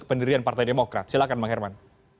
pendirian partai demokrat silahkan bang herman